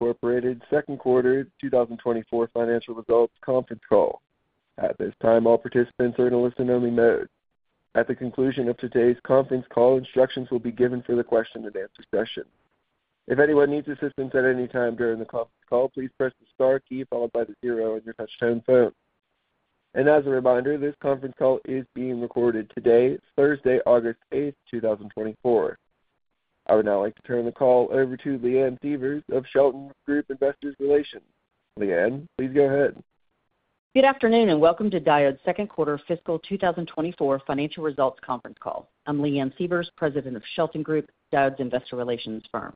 Incorporated second quarter 2024 financial results conference call. At this time, all participants are in a listen-only mode. At the conclusion of today's conference call, instructions will be given for the question-and-answer session. If anyone needs assistance at any time during the conference call, please press the star key followed by the zero on your touchtone phone. As a reminder, this conference call is being recorded today, Thursday, August 8, 2024. I would now like to turn the call over to Leanne Sievers of Shelton Group, Investor Relations. Leanne, please go ahead. Good afternoon, and welcome to Diodes' second quarter fiscal 2024 financial results conference call. I'm Leanne Sievers, President of Shelton Group, Diodes' investor relations firm.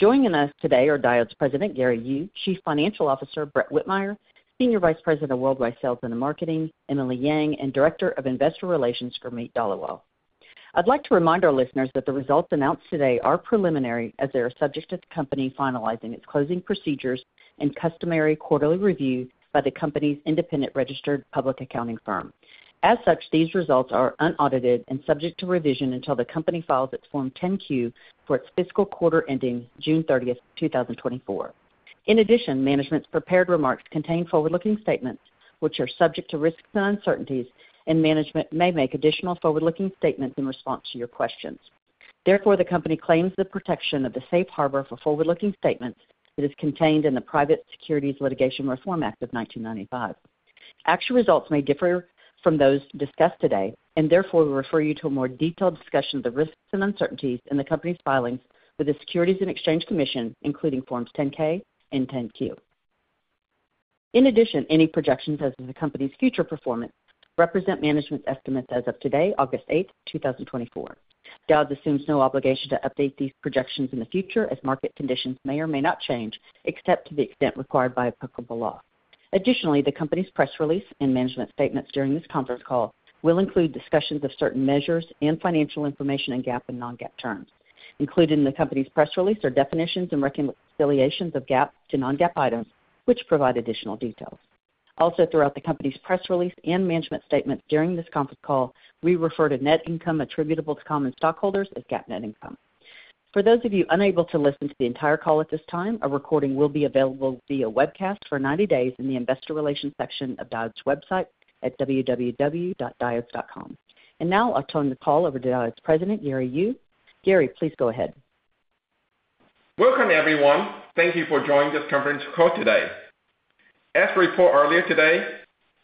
Joining us today are Diodes President, Gary Yu, Chief Financial Officer, Brett Whitmire, Senior Vice President of Worldwide Sales and Marketing, Emily Yang, and Director of Investor Relations, Gurmeet Dhaliwal. I'd like to remind our listeners that the results announced today are preliminary, as they are subject to the company finalizing its closing procedures and customary quarterly review by the company's independent registered public accounting firm. As such, these results are unaudited and subject to revision until the company files its Form 10-Q for its fiscal quarter ending June 30, 2024. In addition, management's prepared remarks contain forward-looking statements, which are subject to risks and uncertainties, and management may make additional forward-looking statements in response to your questions. Therefore, the company claims the protection of the safe harbor for forward-looking statements that is contained in the Private Securities Litigation Reform Act of 1995. Actual results may differ from those discussed today, and therefore, we refer you to a more detailed discussion of the risks and uncertainties in the company's filings with the Securities and Exchange Commission, including Forms 10-K and 10-Q. In addition, any projections as to the company's future performance represent management's estimates as of today, August 8, 2024. Diodes assumes no obligation to update these projections in the future as market conditions may or may not change, except to the extent required by applicable law. Additionally, the company's press release and management statements during this conference call will include discussions of certain measures and financial information in GAAP and non-GAAP terms. Included in the company's press release are definitions and reconciliations of GAAP to non-GAAP items, which provide additional details. Also, throughout the company's press release and management statements during this conference call, we refer to net income attributable to common stockholders as GAAP net income. For those of you unable to listen to the entire call at this time, a recording will be available via webcast for 90 days in the investor relations section of Diodes' website at www.diodes.com. And now, I'll turn the call over to Diodes' President, Gary Yu. Gary, please go ahead. Welcome, everyone. Thank you for joining this conference call today. As reported earlier today,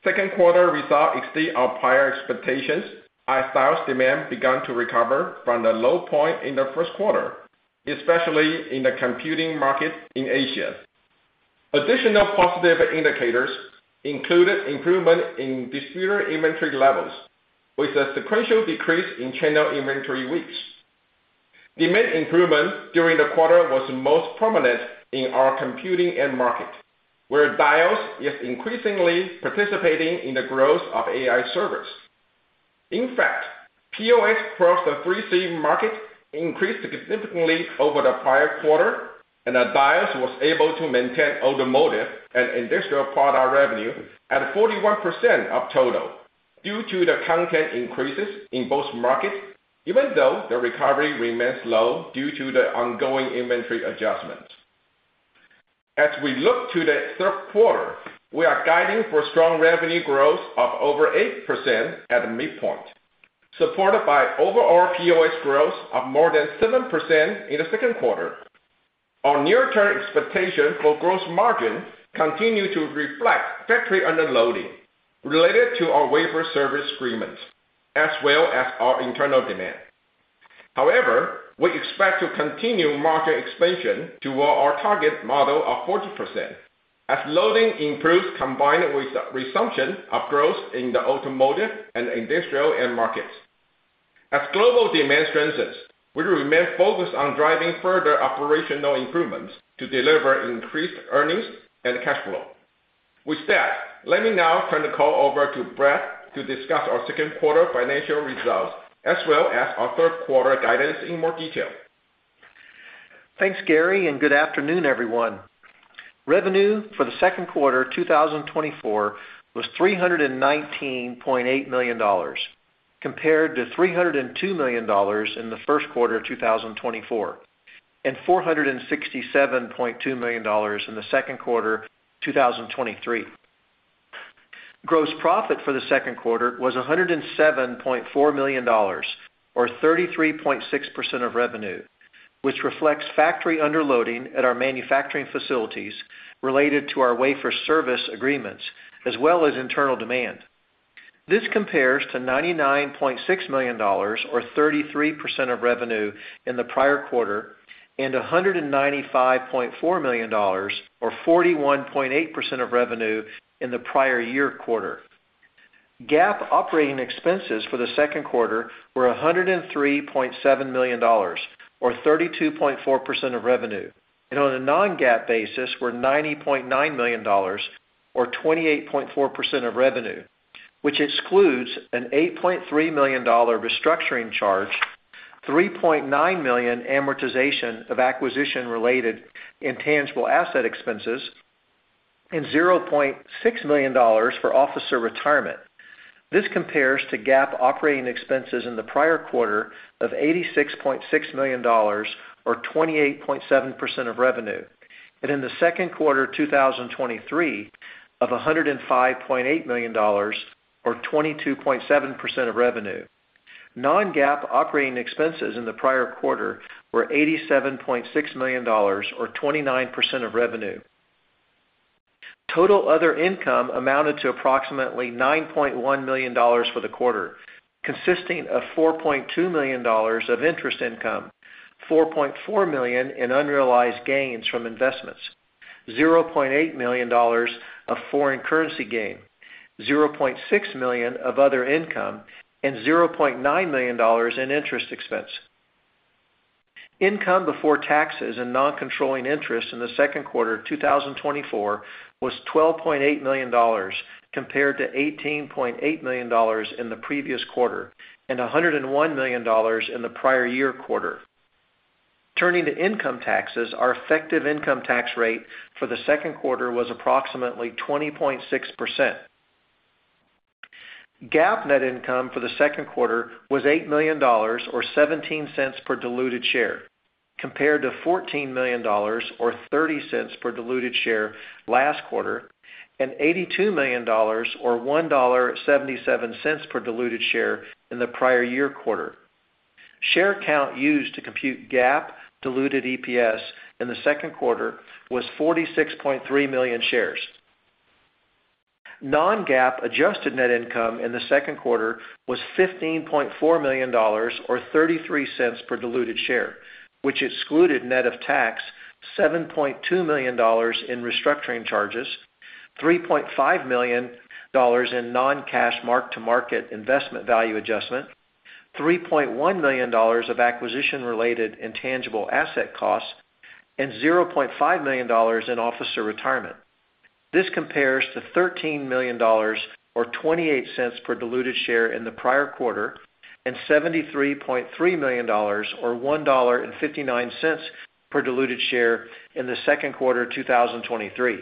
second quarter results exceed our prior expectations as sales demand began to recover from the low point in the first quarter, especially in the computing market in Asia. Additional positive indicators included improvement in distributor inventory levels, with a sequential decrease in channel inventory weeks. Demand improvement during the quarter was most prominent in our computing end market, where Diodes is increasingly participating in the growth of AI servers. In fact, POS across the 3C market increased significantly over the prior quarter, and Diodes was able to maintain automotive and industrial product revenue at 41% of total due to the content increases in both markets, even though the recovery remains low due to the ongoing inventory adjustment. As we look to the third quarter, we are guiding for strong revenue growth of over 8% at the midpoint, supported by overall POS growth of more than 7% in the second quarter. Our near-term expectation for gross margin continue to reflect factory underloading related to our wafer service agreements, as well as our internal demand. However, we expect to continue market expansion toward our target model of 40%, as loading improves, combined with the resumption of growth in the automotive and industrial end markets. As global demand strengthens, we remain focused on driving further operational improvements to deliver increased earnings and cash flow. With that, let me now turn the call over to Brett to discuss our second quarter financial results, as well as our third quarter guidance in more detail. Thanks, Gary, and good afternoon, everyone. Revenue for the second quarter 2024 was $319.8 million, compared to $302 million in the first quarter of 2024, and $467.2 million in the second quarter 2023. Gross profit for the second quarter was $107.4 million, or 33.6% of revenue, which reflects factory underloading at our manufacturing facilities related to our wafer service agreements, as well as internal demand. This compares to $99.6 million, or 33% of revenue, in the prior quarter, and $195.4 million, or 41.8% of revenue, in the prior year quarter. GAAP operating expenses for the second quarter were $103.7 million, or 32.4% of revenue, and on a non-GAAP basis, were $90.9 million, or 28.4% of revenue, which excludes an $8.3 million restructuring charge, $3.9 million amortization of acquisition-related intangible asset expenses, and $0.6 million for officer retirement. This compares to GAAP operating expenses in the prior quarter of $86.6 million, or 28.7% of revenue, and in the second quarter of 2023, of $105.8 million or 22.7% of revenue. Non-GAAP operating expenses in the prior quarter were $87.6 million or 29% of revenue. Total other income amounted to approximately $9.1 million for the quarter, consisting of $4.2 million of interest income, $4.4 million in unrealized gains from investments, $0.8 million of foreign currency gain, $0.6 million of other income, and $0.9 million in interest expense. Income before taxes and non-controlling interests in the second quarter of 2024 was $12.8 million, compared to $18.8 million in the previous quarter, and $101 million in the prior year quarter. Turning to income taxes, our effective income tax rate for the second quarter was approximately 20.6%. GAAP net income for the second quarter was $8 million or $0.17 per diluted share, compared to $14 million or $0.30 per diluted share last quarter, and $82 million or $1.77 per diluted share in the prior year quarter. Share count used to compute GAAP diluted EPS in the second quarter was 46.3 million shares. Non-GAAP adjusted net income in the second quarter was $15.4 million or $0.33 per diluted share, which excluded net of tax, $7.2 million in restructuring charges, $3.5 million in non-cash mark-to-market investment value adjustment, $3.1 million of acquisition-related intangible asset costs, and $0.5 million in officer retirement. This compares to $13 million or $0.28 per diluted share in the prior quarter, and $73.3 million or $1.59 per diluted share in the second quarter of 2023.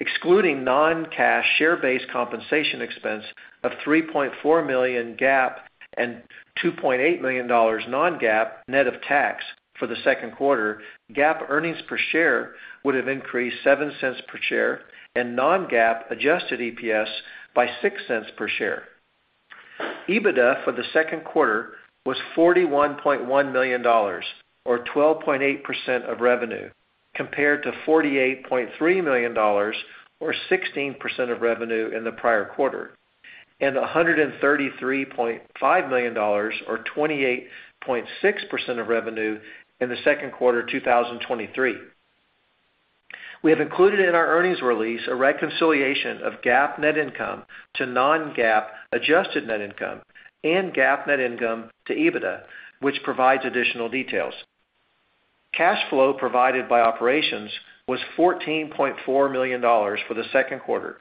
Excluding non-cash share-based compensation expense of $3.4 million GAAP and $2.8 million non-GAAP net of tax for the second quarter, GAAP earnings per share would have increased $0.07 per share, and non-GAAP adjusted EPS by $0.06 per share. EBITDA for the second quarter was $41.1 million or 12.8% of revenue, compared to $48.3 million or 16% of revenue in the prior quarter, and $133.5 million or 28.6% of revenue in the second quarter of 2023. We have included in our earnings release a reconciliation of GAAP net income to non-GAAP adjusted net income and GAAP net income to EBITDA, which provides additional details. Cash flow provided by operations was $14.4 million for the second quarter.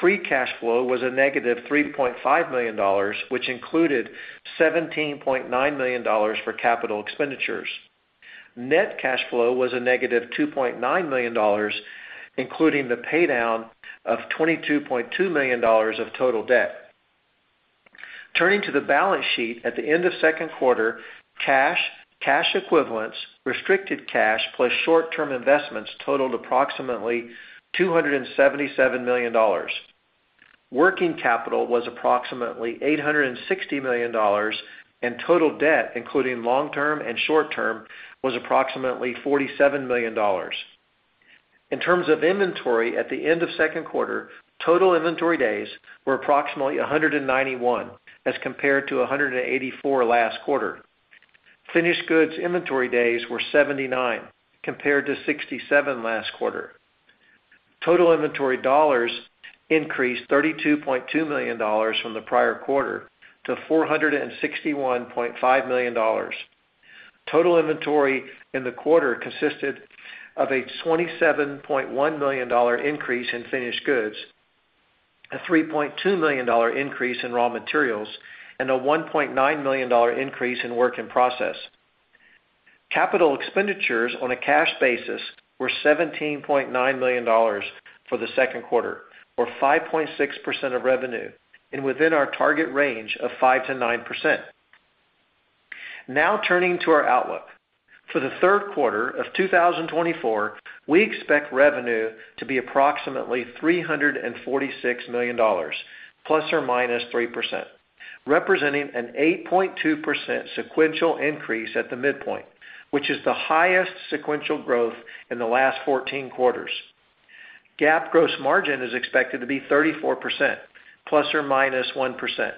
Free cash flow was -$3.5 million, which included $17.9 million for capital expenditures. Net cash flow was -$2.9 million, including the paydown of $22.2 million of total debt. Turning to the balance sheet, at the end of second quarter, cash, cash equivalents, restricted cash plus short-term investments totaled approximately $277 million. Working capital was approximately $860 million, and total debt, including long-term and short-term, was approximately $47 million. In terms of inventory, at the end of second quarter, total inventory days were approximately 191, as compared to 184 last quarter. Finished goods inventory days were 79, compared to 67 last quarter. Total inventory dollars increased $32.2 million from the prior quarter to $461.5 million. Total inventory in the quarter consisted of a $27.1 million increase in finished goods, a $3.2 million increase in raw materials, and a $1.9 million increase in work in process. Capital expenditures on a cash basis were $17.9 million for the second quarter or 5.6% of revenue and within our target range of 5%-9%. Now turning to our outlook. For the third quarter of 2024, we expect revenue to be approximately $346 million, ±3%, representing an 8.2% sequential increase at the midpoint, which is the highest sequential growth in the last 14 quarters. GAAP gross margin is expected to be 34%, ±1%.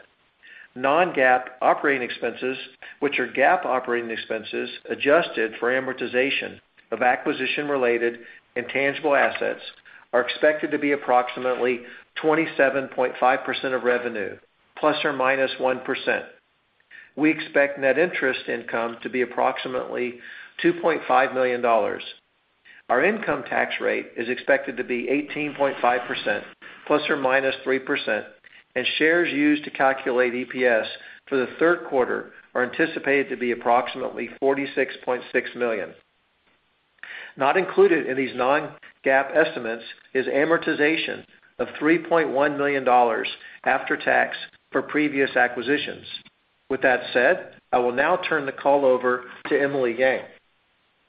Non-GAAP operating expenses, which are GAAP operating expenses, adjusted for amortization of acquisition-related intangible assets, are expected to be approximately 27.5% of revenue, ±1%. We expect net interest income to be approximately $2.5 million. Our income tax rate is expected to be 18.5%, ±3%, and shares used to calculate EPS for the third quarter are anticipated to be approximately 46.6 million. Not included in these non-GAAP estimates is amortization of $3.1 million after tax for previous acquisitions. With that said, I will now turn the call over to Emily Yang.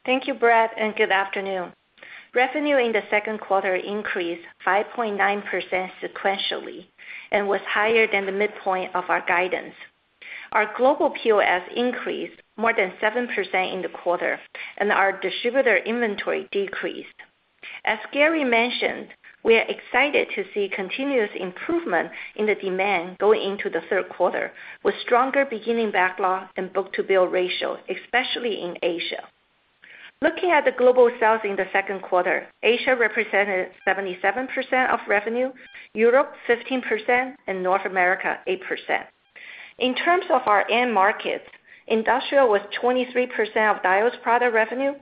Thank you, Brett, and good afternoon. Revenue in the second quarter increased 5.9% sequentially and was higher than the midpoint of our guidance. Our global POS increased more than 7% in the quarter, and our distributor inventory decreased. As Gary mentioned, we are excited to see continuous improvement in the demand going into the third quarter, with stronger beginning backlog and book-to-bill ratio, especially in Asia. Looking at the global sales in the second quarter, Asia represented 77% of revenue, Europe 15%, and North America 8%. In terms of our end markets, industrial was 23% of Diodes' product revenue,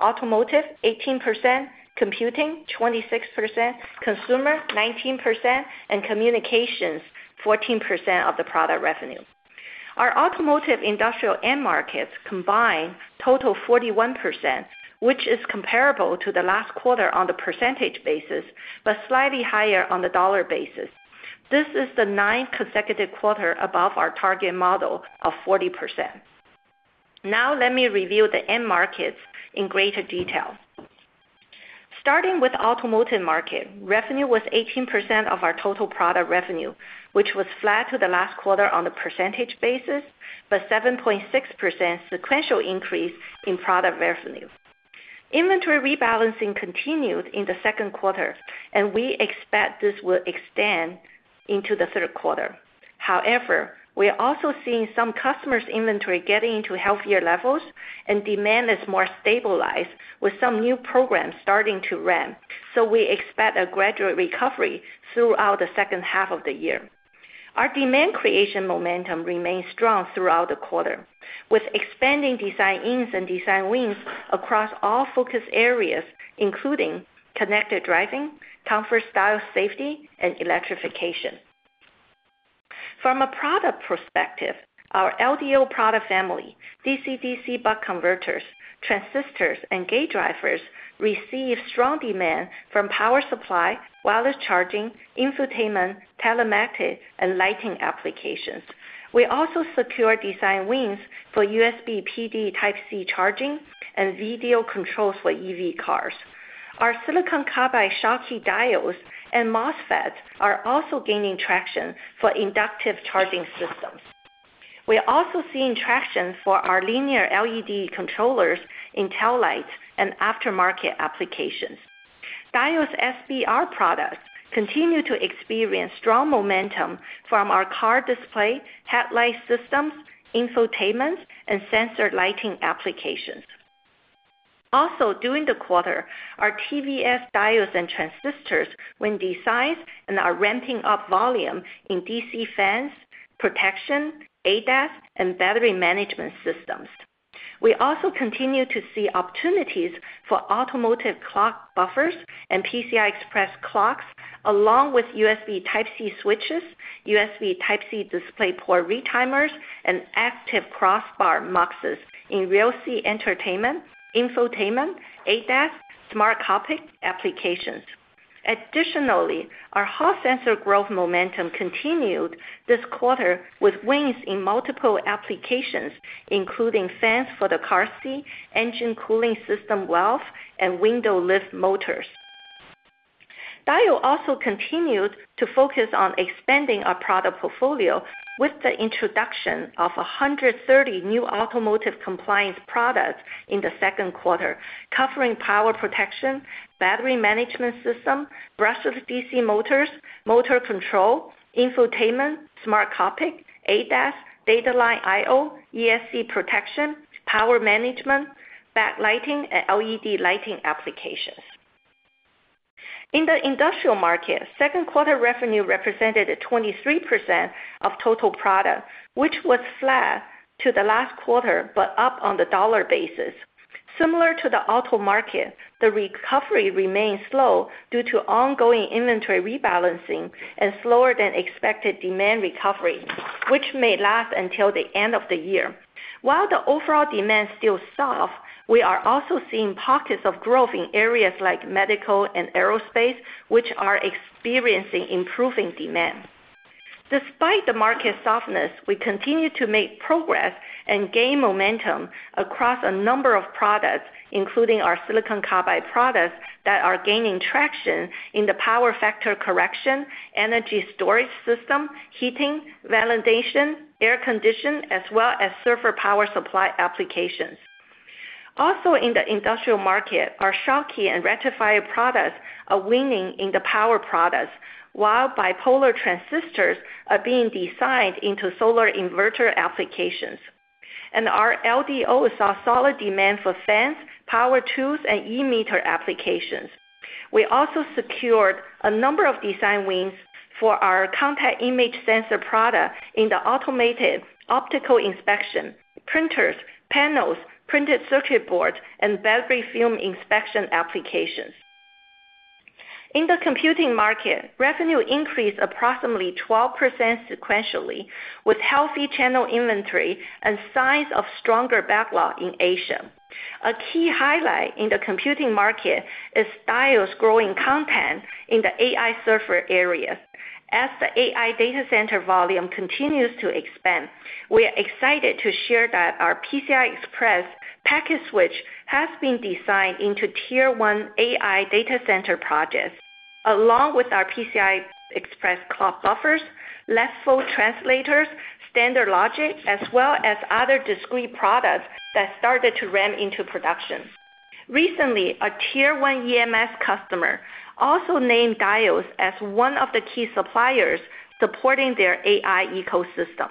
automotive 18%, computing 26%, consumer 19%, and communications 14% of the product revenue. Our automotive industrial end markets combined total 41%, which is comparable to the last quarter on the percentage basis, but slightly higher on the dollar basis. This is the ninth consecutive quarter above our target model of 40%. Now let me review the end markets in greater detail. Starting with automotive market, revenue was 18% of our total product revenue, which was flat to the last quarter on a percentage basis, but 7.6% sequential increase in product revenue. Inventory rebalancing continued in the second quarter, and we expect this will extend into the third quarter. However, we are also seeing some customers' inventory getting to healthier levels and demand is more stabilized, with some new programs starting to ramp, so we expect a gradual recovery throughout the second half of the year. Our demand creation momentum remains strong throughout the quarter, with expanding design-ins and design wins across all focus areas, including connected driving, comfort, style, safety, and electrification. From a product perspective, our LDO product family, DC-DC buck converters, transistors, and gate drivers receive strong demand from power supply, wireless charging, infotainment, telematics, and lighting applications. We also secure design wins for USB PD Type-C charging and vwd3ei] vidoecontrols for EV cars. Our silicon carbide Schottky diodes and MOSFETs are also gaining traction for inductive charging systems. We are also seeing traction for our linear LED controllers in tail lights and aftermarket applications. Diodes' SBR products continue to experience strong momentum from our car display, headlight systems, infotainment, and sensor lighting applications. Also, during the quarter, our TVS diodes and transistors win designs and are ramping up volume in DC fans, protection, ADAS, and battery management systems. We also continue to see opportunities for automotive clock buffers and PCI Express clocks, along with USB Type-C switches, USB Type-C DisplayPort retimers, and active crossbar muxes in RSE entertainment, infotainment, ADAS, smart cockpit applications. Additionally, our Hall sensor growth momentum continued this quarter with wins in multiple applications, including fans for the car seat, engine cooling system valve, and window lift motors. Diodes also continued to focus on expanding our product portfolio with the introduction of 130 new automotive compliant products in the second quarter, covering power protection, battery management system, brushless DC motors, motor control, infotainment, smart cockpit, ADAS, data line I/O, ESD protection, power management, backlighting, and LED lighting applications. In the industrial market, second quarter revenue represented 23% of total product, which was flat to the last quarter, but up on the dollar basis. Similar to the auto market, the recovery remains slow due to ongoing inventory rebalancing and slower than expected demand recovery, which may last until the end of the year. While the overall demand is still soft, we are also seeing pockets of growth in areas like medical and aerospace, which are experiencing improving demand. Despite the market softness, we continue to make progress and gain momentum across a number of products, including our silicon carbide products, that are gaining traction in the power factor correction, energy storage system, heating, validation, air condition, as well as server power supply applications. Also, in the industrial market, our Schottky and rectifier products are winning in the power products, while bipolar transistors are being designed into solar inverter applications. Our LDO saw solid demand for fans, power tools, and e-meter applications. We also secured a number of design wins for our Contact Image Sensor product in the automated optical inspection, printers, panels, printed circuit boards, and battery film inspection applications. In the computing market, revenue increased approximately 12% sequentially, with healthy channel inventory and signs of stronger backlog in Asia. A key highlight in the computing market is Diodes' growing content in the AI server area. As the AI data center volume continues to expand, we are excited to share that our PCI Express Packet Switch has been designed into tier one AI data center projects, along with our PCI Express Clock Buffers, level translators, Standard Logic, as well as other discrete products that started to ramp into production. Recently, a tier one EMS customer also named Diodes as one of the key suppliers supporting their AI ecosystem.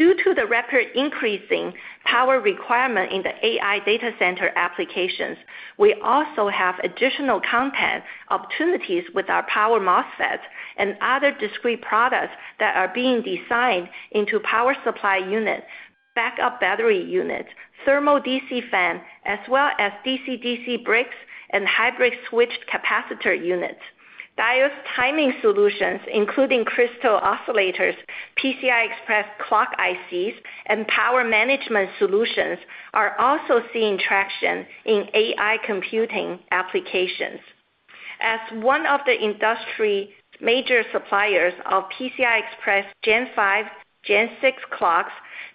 Due to the rapid increasing power requirement in the AI data center applications, we also have additional content opportunities with our power MOSFET and other discrete products that are being designed into power supply units, backup battery units, thermal DC fan, as well as DC-DC bricks and hybrid switched capacitor units. Diodes timing solutions, including crystal oscillators, PCI Express clock ICs, and power management solutions, are also seeing traction in AI computing applications. As one of the industry major suppliers of PCI Express Gen 5, Gen 6 clocks,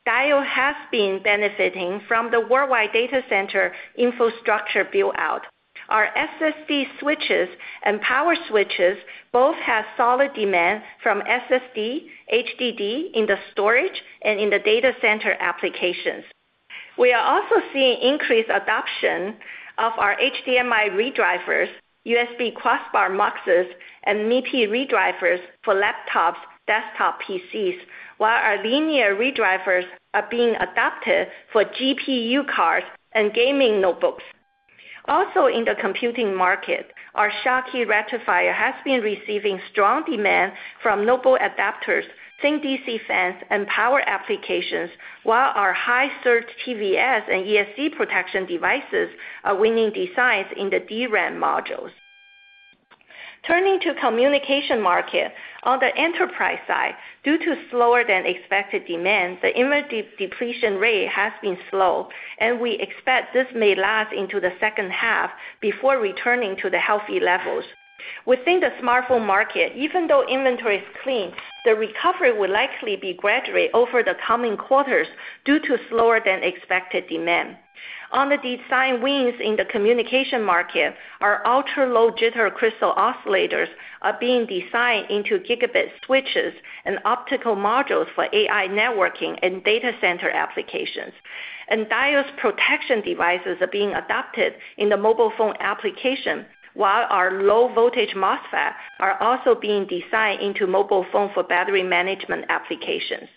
Diodes has been benefiting from the worldwide data center infrastructure build-out. Our SSD switches and power switches both have solid demand from SSD, HDD in the storage and in the data center applications. We are also seeing increased adoption of our HDMI ReDrivers, USB Crossbar Muxes, and MIPI ReDrivers for laptops, desktop PCs, while our Linear ReDrivers are being adopted for GPU cards and gaming notebooks. Also, in the computing market, our Schottky rectifier has been receiving strong demand from notebook adapters, thin DC fans, and power applications, while our high surge TVS and ESD protection devices are winning designs in the DRAM modules. Turning to communications market. On the enterprise side, due to slower than expected demand, the inventory depletion rate has been slow, and we expect this may last into the second half before returning to the healthy levels. Within the smartphone market, even though inventory is clean, the recovery will likely be gradual over the coming quarters due to slower than expected demand. On the design wins in the communication market, our ultra-low jitter crystal oscillators are being designed into gigabit switches and optical modules for AI networking and data center applications. ESD protection devices are being adopted in the mobile phone application, while our low-voltage MOSFETs are also being designed into mobile phone for battery management applications.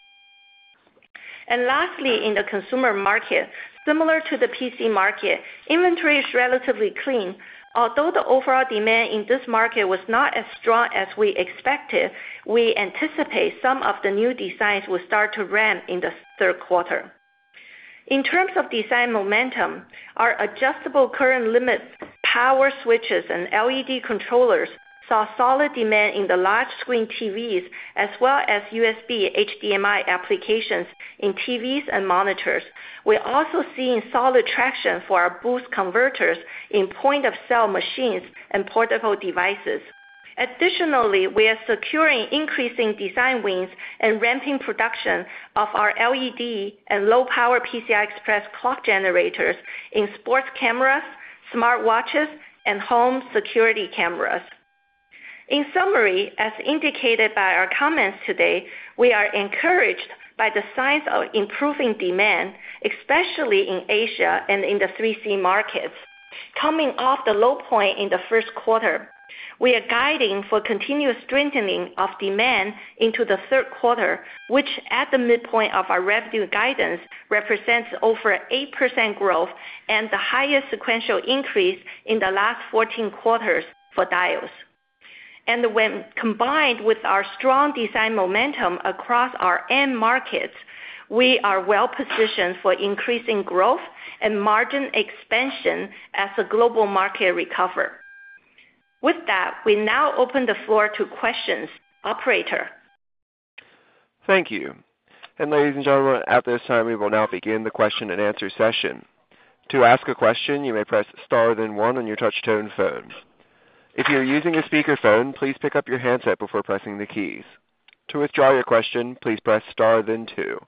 Lastly, in the consumer market, similar to the PC market, inventory is relatively clean. Although the overall demand in this market was not as strong as we expected, we anticipate some of the new designs will start to ramp in the third quarter. In terms of design momentum, our adjustable current limits, power switches, and LED controllers saw solid demand in the large-screen TVs, as well as USB, HDMI applications in TVs and monitors. We're also seeing solid traction for our boost converters in point-of-sale machines and portable devices. Additionally, we are securing increasing design wins and ramping production of our LED and low-power PCI Express clock generators in sports cameras, smartwatches, and home security cameras. In summary, as indicated by our comments today, we are encouraged by the signs of improving demand, especially in Asia and in the 3C markets. Coming off the low point in the first quarter, we are guiding for continuous strengthening of demand into the third quarter, which at the midpoint of our revenue guidance, represents over 8% growth and the highest sequential increase in the last 14 quarters for Diodes. And when combined with our strong design momentum across our end markets, we are well positioned for increasing growth and margin expansion as the global market recover. With that, we now open the floor to questions. Operator? Thank you. And ladies and gentlemen, at this time, we will now begin the question-and-answer session. To ask a question, you may press star, then one on your touch-tone phone. If you're using a speakerphone, please pick up your handset before pressing the keys. To withdraw your question, please press star, then two.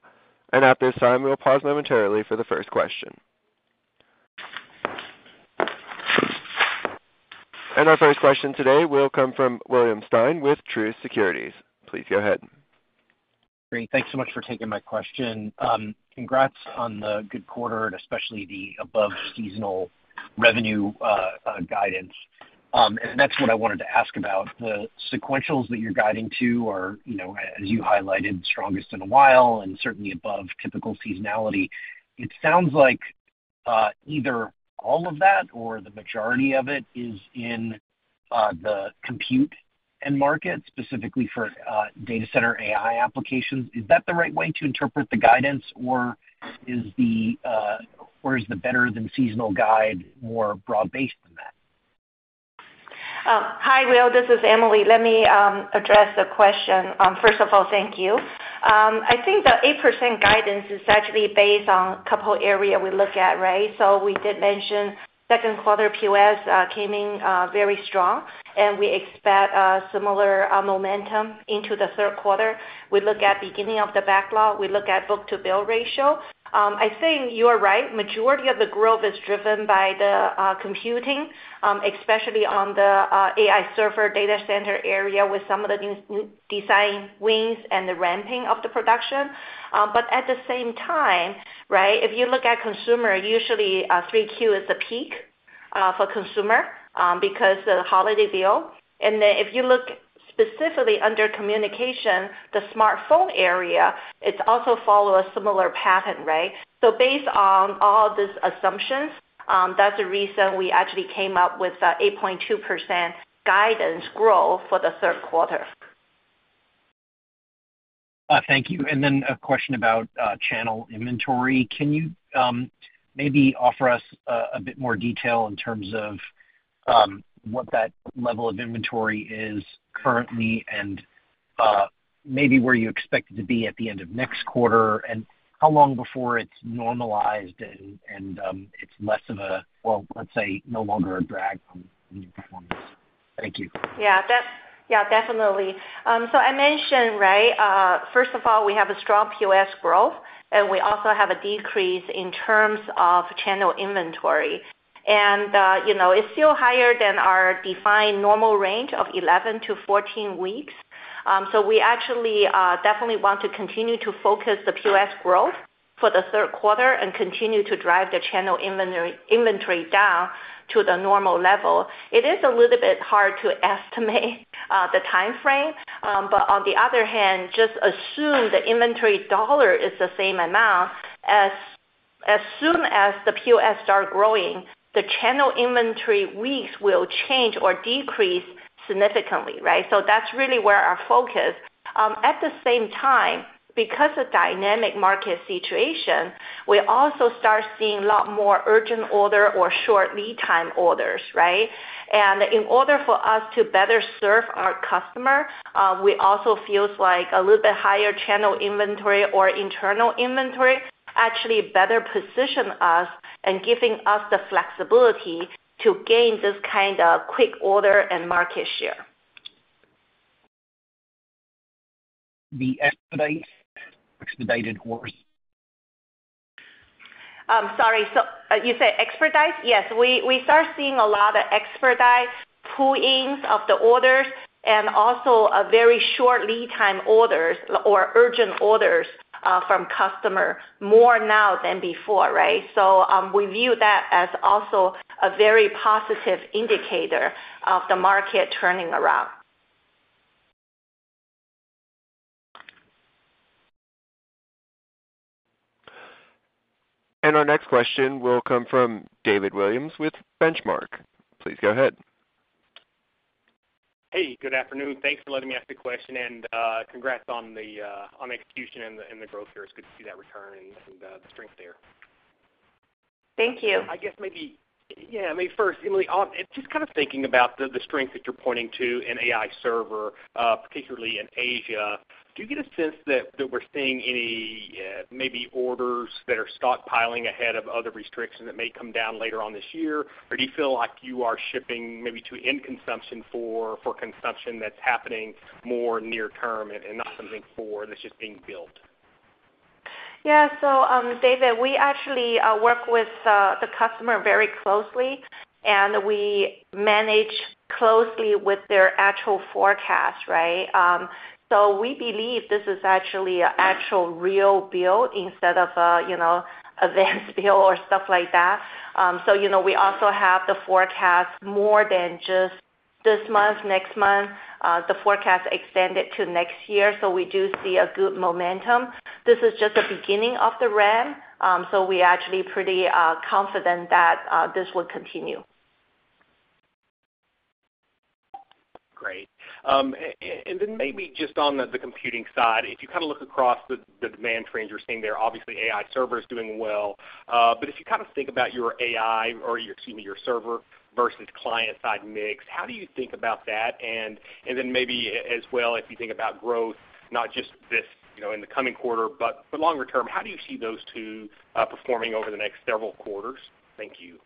And at this time, we'll pause momentarily for the first question. And our first question today will come from William Stein with Truist Securities. Please go ahead. Great. Thanks so much for taking my question. Congrats on the good quarter and especially the above seasonal revenue, guidance. And that's what I wanted to ask about. The sequentials that you're guiding to are, you know, as you highlighted, strongest in a while, and certainly above typical seasonality. It sounds like, either all of that or the majority of it is in the compute end market, specifically for, data center AI applications. Is that the right way to interpret the guidance, or is the, or is the better than seasonal guide more broad-based than that? Hi, Will, this is Emily. Let me address the question. First of all, thank you. I think the 8% guidance is actually based on a couple areas we look at, right? So we did mention second quarter POS came in very strong, and we expect a similar momentum into the third quarter. We look at beginning of the backlog, we look at book-to-bill ratio. I think you are right, majority of the growth is driven by the computing, especially on the AI server data center area with some of the new design wins and the ramping of the production. But at the same time, right, if you look at consumer, usually 3Q is a peak for consumer because the holiday deal. And then if you look specifically under communication, the smartphone area, it's also follow a similar pattern, right? So based on all these assumptions, that's the reason we actually came up with the 8.2% guidance growth for the third quarter. Thank you. And then a question about channel inventory. Can you maybe offer us a bit more detail in terms of what that level of inventory is currently, and maybe where you expect it to be at the end of next quarter, and how long before it's normalized and it's less of a... well, let's say, no longer a drag on the performance? Thank you. Yeah, definitely. So I mentioned, right, first of all, we have a strong POS growth, and we also have a decrease in terms of channel inventory. And, you know, it's still higher than our defined normal range of 11-14 weeks. So we actually, definitely want to continue to focus the POS growth for the third quarter and continue to drive the channel inventory, inventory down to the normal level. It is a little bit hard to estimate the timeframe. But on the other hand, just assume the inventory dollar is the same amount. As soon as the POS start growing, the channel inventory weeks will change or decrease significantly, right? So that's really where our focus. At the same time, because of dynamic market situation, we also start seeing a lot more urgent order or short lead time orders, right? And in order for us to better serve our customer, we also feels like a little bit higher channel inventory or internal inventory actually better position us and giving us the flexibility to gain this kind of quick order and market share. The expedited orders? Sorry, so, you said expedite? Yes, we, we start seeing a lot of expedite pull-ins of the orders and also a very short lead time orders or urgent orders, from customer more now than before, right? So, we view that as also a very positive indicator of the market turning around. Our next question will come from David Williams with Benchmark. Please go ahead. Hey, good afternoon. Thanks for letting me ask the question, and congrats on the execution and the growth here. It's good to see that return and the strength there. Thank you. I guess maybe, yeah, maybe first, Emily, on just kind of thinking about the, the strength that you're pointing to in AI server, particularly in Asia, do you get a sense that, that we're seeing any, maybe orders that are stockpiling ahead of other restrictions that may come down later on this year? Or do you feel like you are shipping maybe to end consumption for, for consumption that's happening more near term and not something for that's just being built? Yeah. So, David, we actually work with the customer very closely, and we manage closely with their actual forecast, right? So we believe this is actually an actual real build instead of a, you know, advanced build or stuff like that. So you know, we also have the forecast more than just this month, next month, the forecast extended to next year, so we do see a good momentum. This is just the beginning of the ramp, so we're actually pretty confident that this will continue. Great. And then maybe just on the computing side, if you kind of look across the demand trends you're seeing there, obviously AI server is doing well. But if you kind of think about your AI or your, excuse me, your server versus client-side mix, how do you think about that? And then maybe as well, if you think about growth, not just this, you know, in the coming quarter, but for longer term, how do you see those two performing over the next several quarters? Thank you.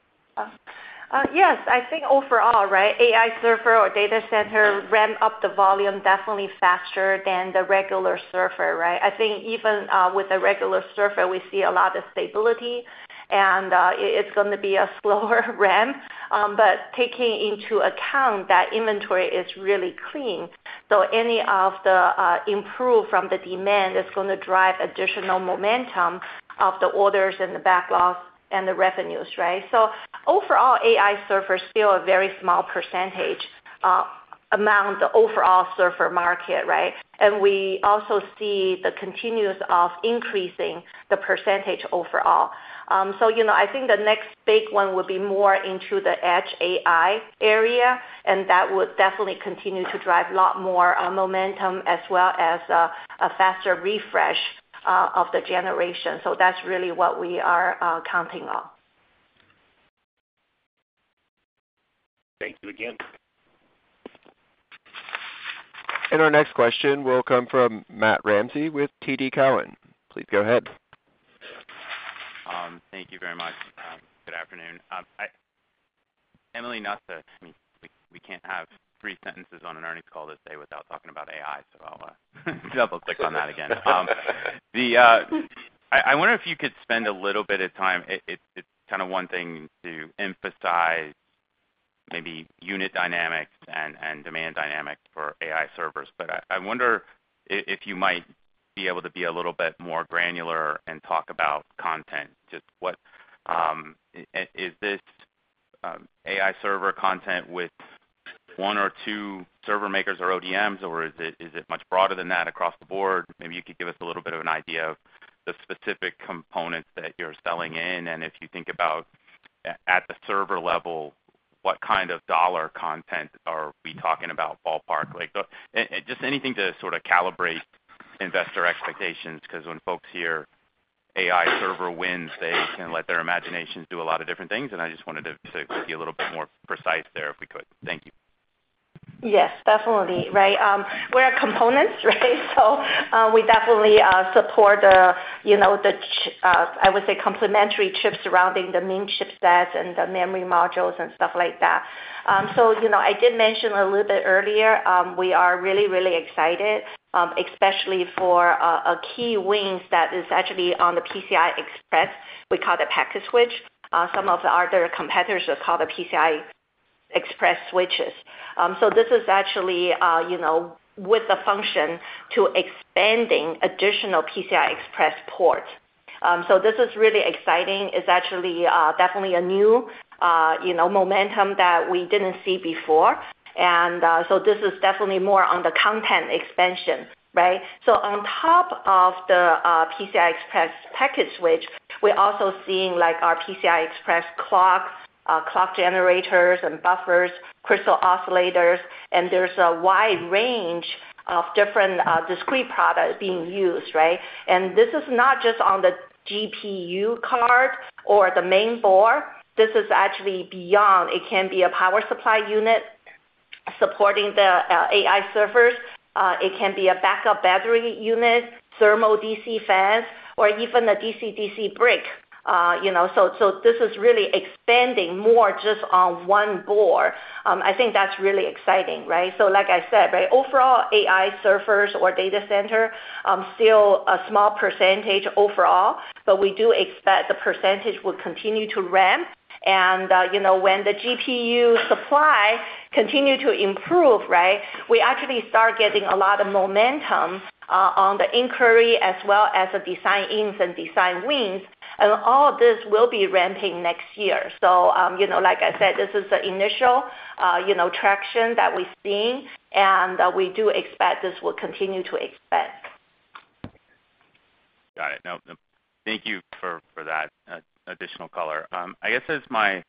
Yes, I think overall, right, AI server or data center ramp up the volume definitely faster than the regular server, right? I think even with the regular server, we see a lot of stability, and it’s gonna be a slower ramp. But taking into account that inventory is really clean, so any of the improvement from the demand is gonna drive additional momentum of the orders and the backlogs and the revenues, right? So overall, AI server is still a very small percentage amount of the overall server market, right? And we also see the continuation of increasing the percentage overall. So, you know, I think the next big one will be more into the edge AI area, and that would definitely continue to drive a lot more momentum as well as a faster refresh of the generation. So that's really what we are counting on. Thank you again. Our next question will come from Matt Ramsey with TD Cowen. Please go ahead. Thank you very much. Good afternoon. Emily, not to, I mean, we can't have three sentences on an earnings call this day without talking about AI, so I'll double-click on that again. I wonder if you could spend a little bit of time. It's kind of one thing to emphasize maybe unit dynamics and demand dynamics for AI servers, but I wonder if you might be able to be a little bit more granular and talk about content. Just what is this AI server content with one or two server makers or ODMs, or is it much broader than that across the board? Maybe you could give us a little bit of an idea of the specific components that you're selling in, and if you think about at the server level, what kind of dollar content are we talking about ballpark? Like, the... and just anything to sort of calibrate investor expectations, 'cause when folks hear AI server wins, they can let their imaginations do a lot of different things, and I just wanted to be a little bit more precise there, if we could. Thank you. Yes, definitely. Right. We're components, right? So, we definitely support the, you know, the I would say, complementary chips surrounding the main chipsets and the memory modules and stuff like that. So, you know, I did mention a little bit earlier, we are really, really excited, especially for, a key wins that is actually on the PCI Express. We call it packet switch. Some of the other competitors just call it PCI Express switches. So this is actually, you know, with the function to expanding additional PCI Express port. So this is really exciting. It's actually, definitely a new, you know, momentum that we didn't see before. And, so this is definitely more on the content expansion, right? So on top of the PCI Express packet switch, we're also seeing, like, our PCI Express clocks, clock generators and buffers, crystal oscillators, and there's a wide range of different discrete products being used, right? And this is not just on the GPU card or the main board. This is actually beyond. It can be a power supply unit supporting the AI servers. It can be a backup battery unit, thermal DC fans, or even a DC-DC brick, you know. So this is really expanding more just on one board. I think that's really exciting, right? So like I said, right, overall, AI servers or data center, still a small percentage overall, but we do expect the percentage will continue to ramp. And, you know, when the GPU supply continue to improve, right, we actually start getting a lot of momentum, on the inquiry as well as the design ins and design wins, and all of this will be ramping next year. So, you know, like I said, this is the initial, you know, traction that we've seen, and, we do expect this will continue to expand. Got it. No, thank you for, for that, additional color. I guess as my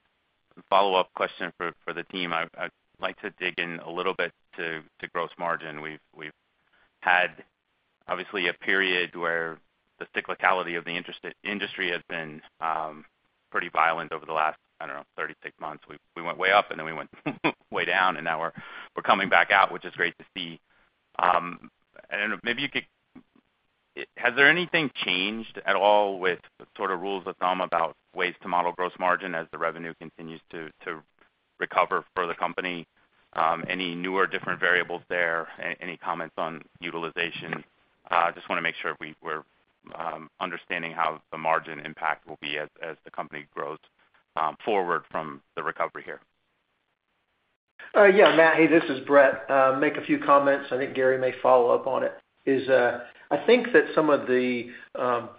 follow-up question for, for the team, I, I'd like to dig in a little bit to, to gross margin. We've, we've had, obviously, a period where the cyclicality of the industry has been, pretty violent over the last, I don't know, 36 months. We, we went way up, and then we went way down, and now we're, we're coming back out, which is great to see. And maybe you could... Has there anything changed at all with sort of rules of thumb about ways to model gross margin as the revenue continues to, to recover for the company? Any newer different variables there? Any comments on utilization? Just wanna make sure we're understanding how the margin impact will be as the company grows forward from the recovery here. Yeah, Matt, hey, this is Brett. Make a few comments, I think Gary may follow up on it. I think that some of the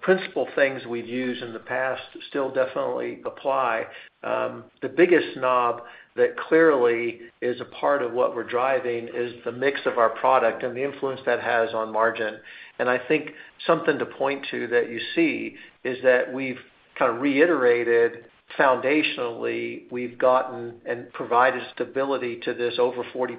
principal things we've used in the past still definitely apply. The biggest knob that clearly is a part of what we're driving is the mix of our product and the influence that has on margin. And I think something to point to that you see is that we've kind of reiterated foundationally, we've gotten and provided stability to this over 40%,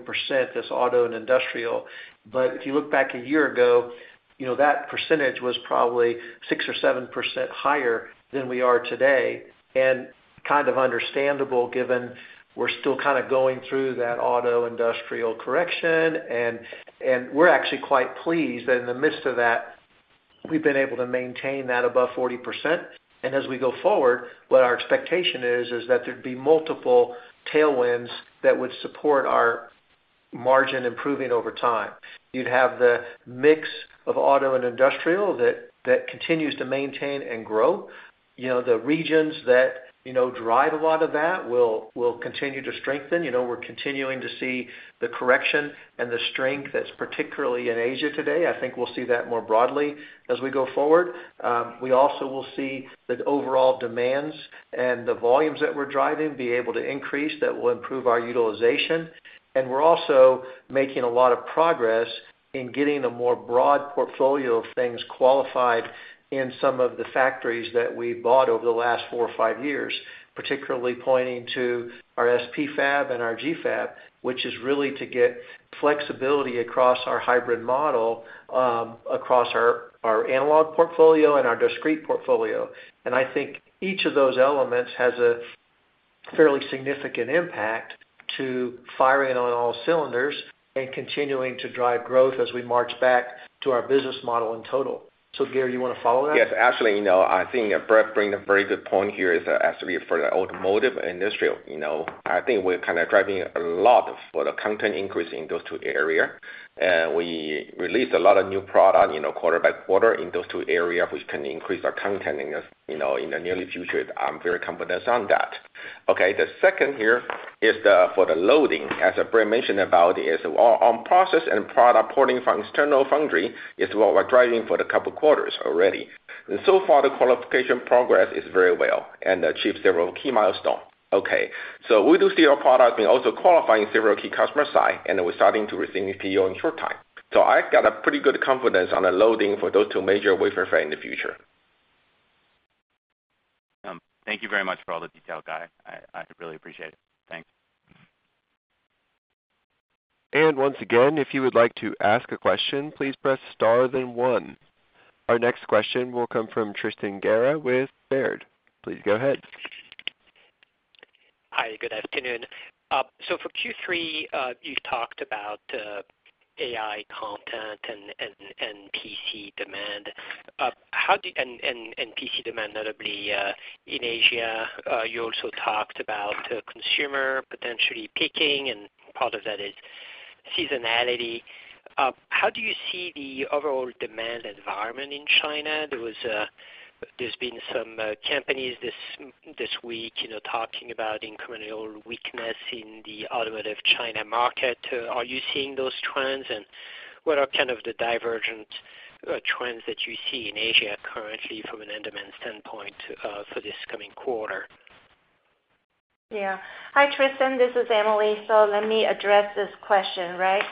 this auto and industrial. But if you look back a year ago, you know, that percentage was probably 6% or 7% higher than we are today, and kind of understandable, given we're still kind of going through that auto industrial correction, and we're actually quite pleased that in the midst of that, we've been able to maintain that above 40%. And as we go forward, what our expectation is, is that there'd be multiple tailwinds that would support our margin improving over time. You'd have the mix of auto and industrial that continues to maintain and grow. You know, the regions that, you know, drive a lot of that will continue to strengthen. You know, we're continuing to see the correction and the strength that's particularly in Asia today. I think we'll see that more broadly as we go forward. We also will see that overall demands and the volumes that we're driving be able to increase, that will improve our utilization. We're also making a lot of progress in getting a more broad portfolio of things qualified in some of the factories that we've bought over the last four or five years, particularly pointing to our SP fab and our G fab, which is really to get flexibility across our hybrid model, across our, our analog portfolio and our discrete portfolio. I think each of those elements has a fairly significant impact to firing on all cylinders and continuing to drive growth as we march back to our business model in total. So, Gary, you want to follow that? Yes, actually, you know, I think Brett bring a very good point here is actually for the automotive industry, you know, I think we're kind of driving a lot for the content increase in those two area. We released a lot of new product, you know, quarter by quarter in those two areas, which can increase our content in this, you know, in the nearly future. I'm very confident on that. Okay, the second here is the, for the loading, as Brett mentioned about, is on process and product porting from external foundry is what we're driving for the couple quarters already. And so far, the qualification progress is very well and achieve several key milestone. Okay, so we do see our product and also qualifying several key customer side, and we're starting to receive PO in short time. I've got a pretty good confidence on the loading for those two major wafer fab in the future. Thank you very much for all the detail, guys. I really appreciate it. Thanks. Once again, if you would like to ask a question, please press Star then One. Our next question will come from Tristan Gerra with Baird. Please go ahead. Hi, good afternoon. So for Q3, you've talked about AI content and PC demand. How do—and PC demand, notably, in Asia, you also talked about consumer potentially picking, and part of that is seasonality. How do you see the overall demand environment in China? There was a—there's been some companies this week, you know, talking about incremental weakness in the automotive China market. Are you seeing those trends? And what are kind of the divergent trends that you see in Asia currently from an end demand standpoint for this coming quarter? Yeah. Hi, Tristan, this is Emily. So let me address this question, right?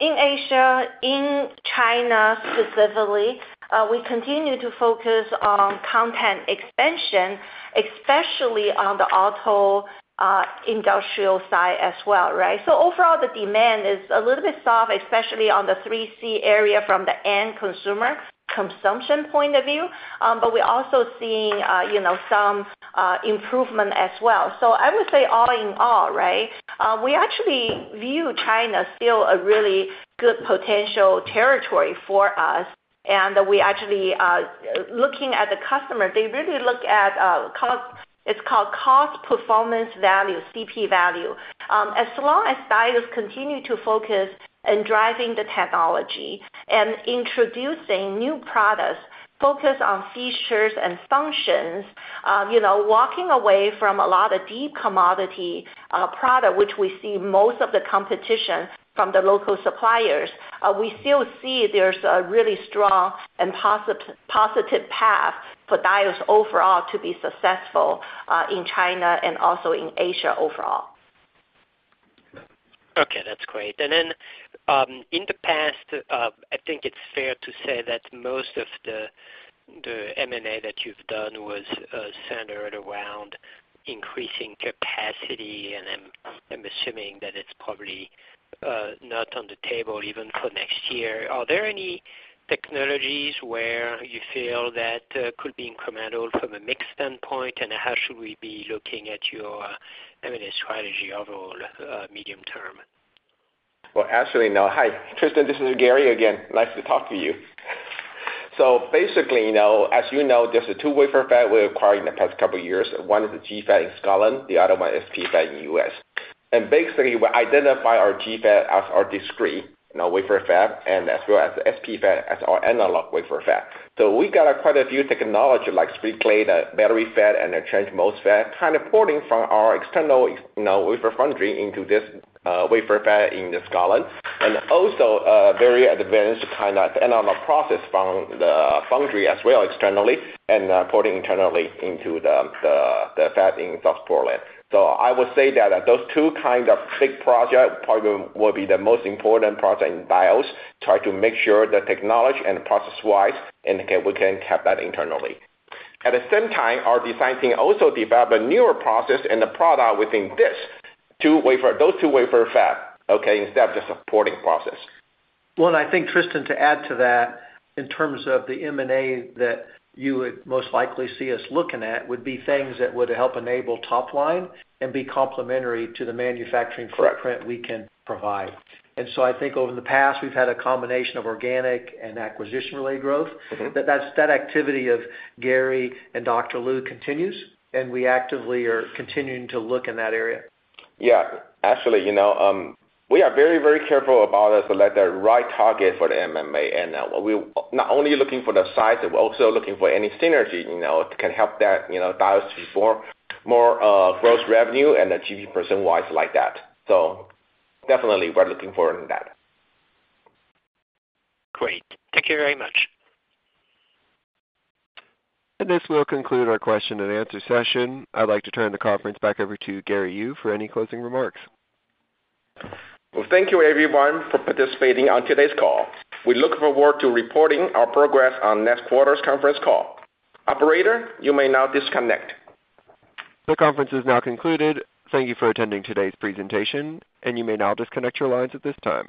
In Asia, in China specifically, we continue to focus on content expansion, especially on the auto, industrial side as well, right? So overall, the demand is a little bit soft, especially on the 3C area from the end consumer consumption point of view, but we're also seeing, you know, some improvement as well. So I would say all in all, right, we actually view China still a really good potential territory for us. And we actually, looking at the customer, they really look at cost, it's called cost performance value, CP value. As long as Diodes continue to focus in driving the technology and introducing new products, focus on features and functions, you know, walking away from a lot of deep commodity product, which we see most of the competition from the local suppliers, we still see there's a really strong and positive path for Diodes overall to be successful in China and also in Asia overall. Okay, that's great. And then, in the past, I think it's fair to say that most of the M&A that you've done was centered around increasing capacity, and I'm assuming that it's probably not on the table even for next year. Are there any technologies where you feel that could be incremental from a mix standpoint? And how should we be looking at your M&A strategy overall, medium term? Well, actually, now... Hi, Tristan, this is Gary again. Nice to talk to you. So basically, you know, as you know, there's two wafer fabs we acquired in the past couple of years. One is the G fab in Scotland, the other one is SP fab in U.S. And basically, we identify our G fab as our discrete, you know, wafer fab, and as well as SP fab as our analog wafer fab. So we got quite a few technology, like split gate, the Bipola fab, and the Trench MOS fab, kind of porting from our external, you know, wafer foundry into this wafer fab in Scotland. And also, very advanced kind of analog process from the foundry as well, externally, and porting internally into the fab in South Portland. So I would say that those two kind of big project probably will be the most important project in Diodes, try to make sure the technology and process-wise, and again, we can keep that internally. At the same time, our design team also develop a newer process and the product within this two wafer- those two wafer fab, okay, instead of just supporting process. Well, I think, Tristan, to add to that, in terms of the M&A that you would most likely see us looking at, would be things that would help enable top line and be complementary to the manufacturing footprint- Correct... we can provide. I think over the past, we've had a combination of organic and acquisition-related growth. Mm-hmm. That activity of Gary and Dr. Lu continues, and we actively are continuing to look in that area. Yeah, actually, you know, we are very, very careful about us to select the right target for the M&A. And we not only looking for the size, but we're also looking for any synergy, you know, can help that, you know, Diodes to form more gross revenue and achieve performamce-wise like that. So definitely, we're looking forward to that. Great. Thank you very much. This will conclude our question and answer session. I'd like to turn the conference back over to Gary Yu for any closing remarks. Well, thank you, everyone, for participating on today's call. We look forward to reporting our progress on next quarter's conference call. Operator, you may now disconnect. The conference is now concluded. Thank you for attending today's presentation, and you may now disconnect your lines at this time.